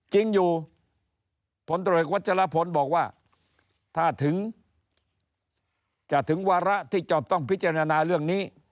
จริงอยู่ตำรวจเอกวัชรพนธ์บอกว่าถ้าถึงวาระที่เจ้าต้องพิจารณาเรื่องนี้